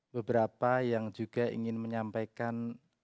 beberapa yang juga ingin menyampaikan